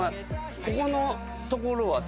ここのところは。